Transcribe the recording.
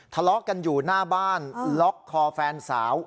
ทะเลาะกันอยู่หน้าบ้านล็อกคอแฟนสาว